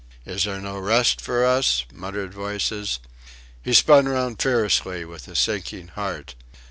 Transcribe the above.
"Is there no rest for us?" muttered voices. He spun round fiercely, with a sinking heart.